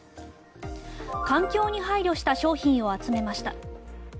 環境に配慮した商品を集めました。